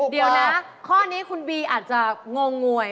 เดี๋ยวนะข้อนี้คุณบีอาจจะงงงวย